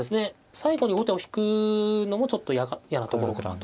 最後に後手を引くのもちょっと嫌なところかなと。